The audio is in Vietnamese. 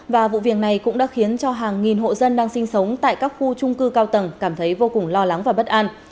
và vụ việc này cũng đã khiến cho hàng nghìn hộ dân đang sinh sống tại các khu trung cư cao tầng cảm thấy vô cùng lo lắng và bất an